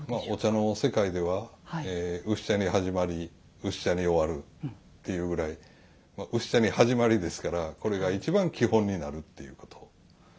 お茶の世界では薄茶に始まり薄茶に終わるっていうぐらい薄茶に始まりですからこれが一番基本になるっていうこと。